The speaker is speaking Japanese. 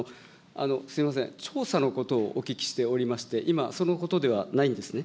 すみません、調査のことをお聞きしておりまして、今、そのことではないんですね。